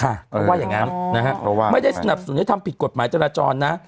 เขาว่าอย่างนั้นไม่ได้สนับสนุนให้ทำผิดกฎหมายจราจรนะ